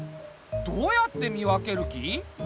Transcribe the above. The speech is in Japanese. どうやって見分ける気？